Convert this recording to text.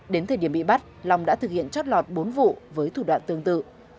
đến thời điểm bị bắt long đã thực hiện chót lọt bốn vụ với thủ đoạn tương tự